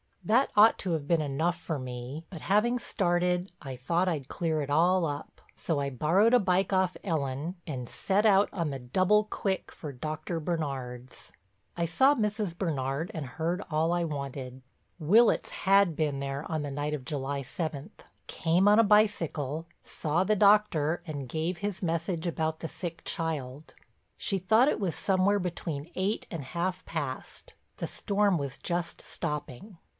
That ought to have been enough for me, but having started I thought I'd clear it all up, so I borrowed a bike off Ellen and set out on the double quick for Dr. Bernard's. I saw Mrs. Bernard and heard all I wanted. Willitts had been there on the night of July seventh, came on a bicycle, saw the doctor and gave his message about the sick child. She thought it was somewhere between eight and half past—the storm was just stopping.